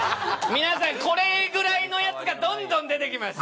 皆さんこれぐらいのやつがどんどん出てきます。